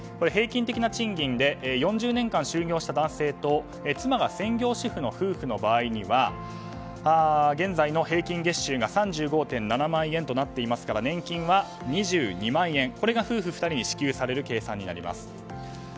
平均的な賃金で４０年間就業した男性と、妻が専業主婦の夫婦の場合には現在の平均月収が３５．７万円となっていますから年金は２２万円が夫婦２人に支給される計算になります。